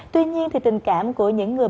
tuy nhiên thì tình cảm của những người